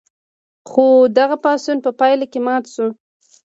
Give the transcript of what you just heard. خو دغه پاڅون په پایله کې مات شو.